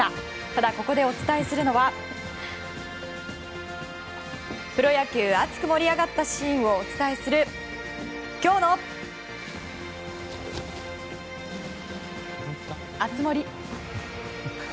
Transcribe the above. ただ、ここでお伝えするのはプロ野球熱く盛り上がったシーンをお届けする今日の熱盛。